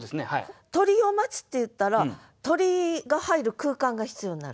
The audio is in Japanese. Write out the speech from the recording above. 「鳥を待つ」っていったら鳥が入る空間が必要になる。